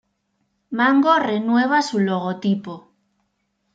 Mango renueva su logotipo.